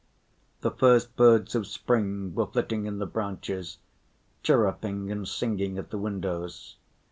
The first birds of spring were flitting in the branches, chirruping and singing at the windows.